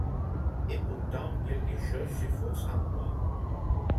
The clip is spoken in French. Et pourtant quelque chose s'efforce en moi.